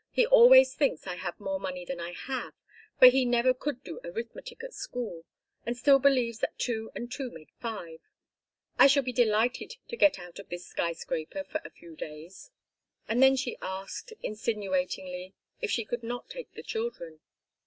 "He always thinks I have more money than I have, for he never could do arithmetic at school and still believes that two and two make five. I shall be delighted to get out of this skyscraper for a few days." And then she asked, insinuatingly, if she could not take the children.